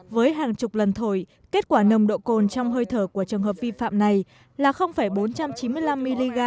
với hàng chục lần thổi kết quả nồng độ cồn trong hơi thở của trường hợp vi phạm này là bốn trăm chín mươi năm mg